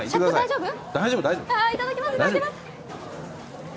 いただきます！